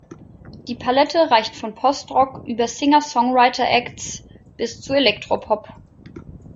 Die Palette reicht von Postrock über Singer-Songwriter-Acts bis zu Elektro-Pop.